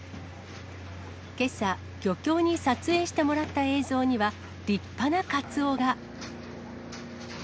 けさ、漁協に撮影してもらった映像には、立派なカツオが。